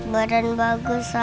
badan bagus sakit kak